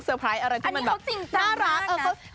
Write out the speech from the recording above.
เซอร์ไพรซ์อะไรที่มันแบบน่ารัก